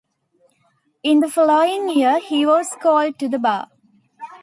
In the following year he was called to the bar.